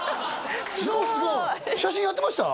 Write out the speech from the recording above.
すごいすごいすごい写真やってました？